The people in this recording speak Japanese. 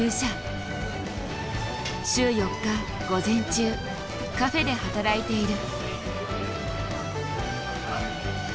週４日午前中カフェで働いている。